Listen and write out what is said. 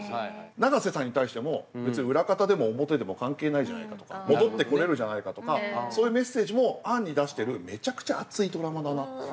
長瀬さんに対しても別に裏方でも表でも関係ないじゃないかとか戻ってこれるじゃないかとかそういうメッセージも暗に出してるめちゃくちゃ熱いドラマだなっていう。